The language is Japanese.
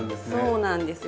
そうなんですよ。